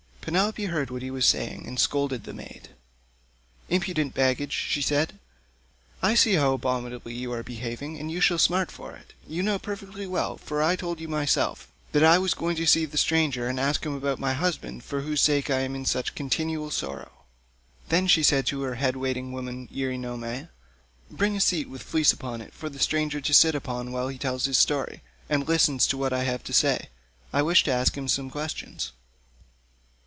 Penelope heard what he was saying and scolded the maid, "Impudent baggage," said she, "I see how abominably you are behaving, and you shall smart for it. You knew perfectly well, for I told you myself, that I was going to see the stranger and ask him about my husband, for whose sake I am in such continual sorrow." Then she said to her head waiting woman Eurynome, "Bring a seat with a fleece upon it, for the stranger to sit upon while he tells his story, and listens to what I have to say. I wish to ask him some questions."